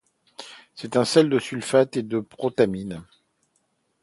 C'est un sel de sulfate et de protamine.